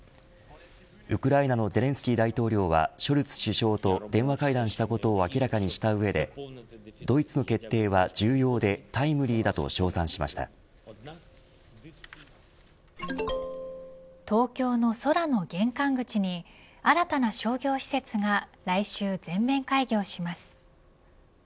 ウクライナのゼレンスキー大統領はショルツ首相と電話会談したことを明らかにした上でドイツの決定は重要で東京の空の玄関口に新たな商業施設が来週、全面開業します。